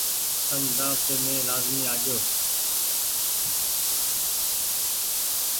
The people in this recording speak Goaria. تم دآوتي مين لآزمي آجو ۔